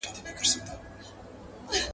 د گل د رويه ځوز هم اوبېږي.